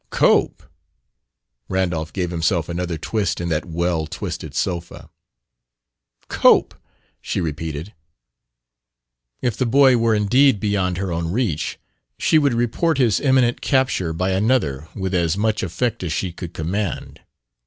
"Cope!" Randolph gave himself another twist in that well twisted sofa. "Cope," she repeated. If the boy were indeed beyond her own reach, she would report his imminent capture by another with as much effect as she could command.